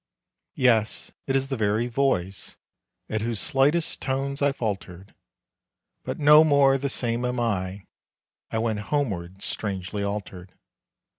Yes, it is the very voice, At whose slightest tones I faltered But no more the same am I; I wend homeward strangely altered.